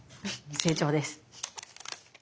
成長です。